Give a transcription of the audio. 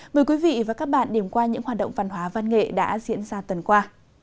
mời quý vị và các bạn điểm qua những hoạt động văn hóa văn nghệ đã diễn ra tuần qua